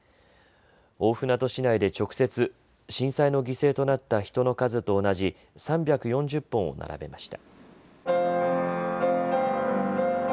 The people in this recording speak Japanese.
大船渡市内で直接、震災の犠牲となった人の数と同じ３４０本を並べました。